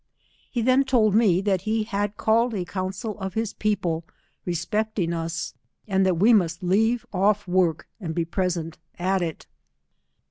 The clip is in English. He then told me^ that he had called a council of his people respecting us, and that we must leave off work and be present at it.